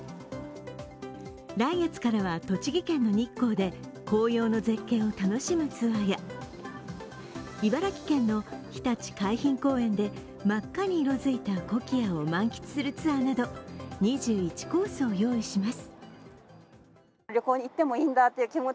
来月からは、栃木県の日光で紅葉の絶景を楽しむツアーや茨城県のひたち海浜公園で真っ赤に色づいたコキアを満喫するツアーなど、２１コースを用意します。